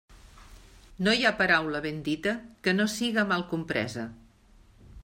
No hi ha paraula ben dita que no siga mal compresa.